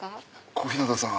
小日向さん。